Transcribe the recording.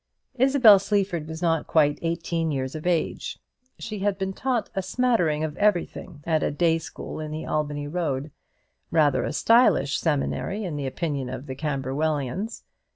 Isabel Sleaford was not quite eighteen years of age. She had been taught a smattering of everything at a day school in the Albany Road; rather a stylish seminary in the opinion of the Camberwellians.